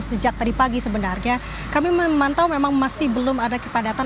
sejak tadi pagi sebenarnya kami memantau memang masih belum ada kepadatan